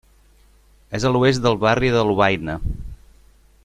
És a l'oest del barri de Lovaina.